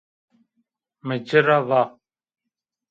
Mi ci ra va.